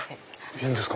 いいんですか？